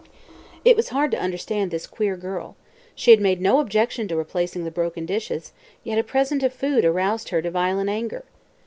It was hard to understand this queer girl. She had made no objection to replacing the broken dishes, yet a present of food aroused her to violent anger.